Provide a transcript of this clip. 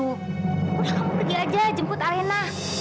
udah kamu pergi aja jemput alena